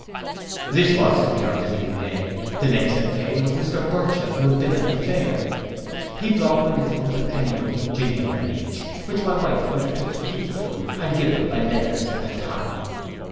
This was to be our visiting day. The next that came was Mr Burchell, who had been at the fair. He brought my little ones a pennyworth of gingerbread each, which my wife undertook to keep for them, and give them by letters at a time.